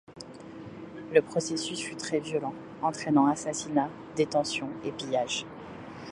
Le processus fut très violent, entraînant assassinats, détentions et pillages.